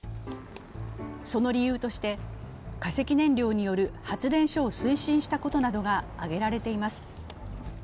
その理由として、化石燃料による発電所を推進したことなどが挙げられています。